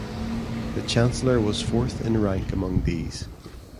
The Chancellor was fourth in rank among these.